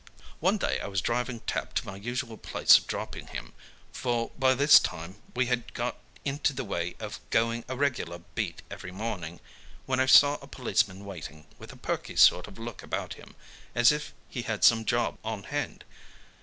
One day, I was driving tap to my usual place of dropping him for by this time we had got into the way of going a regular beat every morning when I saw a policeman waiting, with a perky sort of look about him, as if he had some job on hand.